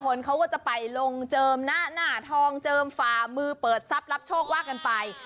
คนเขาก็จะไปลงเจิมหน้าหน้าทองเจิมฝ่ามือเปิดทรัพย์รับโชคว่ากันไป